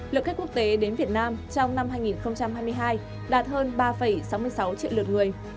lượng khách quốc tế đến việt nam trong năm hai nghìn hai mươi hai đạt hơn ba sáu mươi sáu triệu lượt người